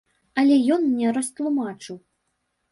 Але ён мне растлумачыў.